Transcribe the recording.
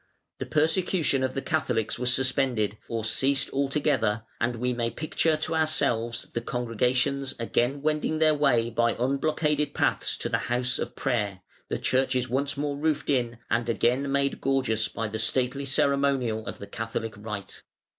The persecution of the Catholics was suspended, or ceased altogether, and we may picture to ourselves the congregations again wending their way by unblockaded paths to the house of prayer, the churches once more roofed in and again made gorgeous by the stately ceremonial of the Catholic rite.